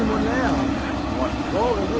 หรือว่าเกิดอะไรขึ้น